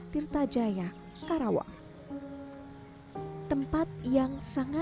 membela orang yang